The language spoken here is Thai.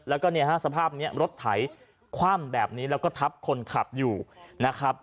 แล้วก็เนี่ยฮะสภาพนี้รถไถคว่ำแบบนี้แล้วก็ทับคนขับอยู่นะครับ